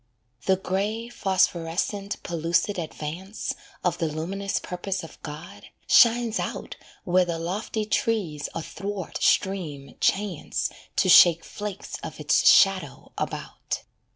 The grey, phosphorescent, pellucid advance Of the luminous purpose of God, shines out Where the lofty trees athwart stream chance To shake flakes of its shadow about.